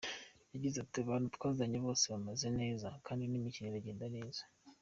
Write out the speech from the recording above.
Yagize ati “Abantu twazanye bose bameze neza kandi n’imikino iragenda neza.